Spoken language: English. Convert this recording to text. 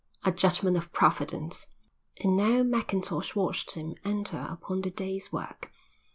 "A judgment of Providence." And now Mackintosh watched him enter upon the day's work.